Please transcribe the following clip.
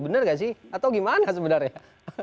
benar gak sih atau gimana sebenarnya